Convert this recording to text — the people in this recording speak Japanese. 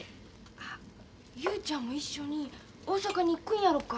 あ雄ちゃんも一緒に大阪に行くんやろか。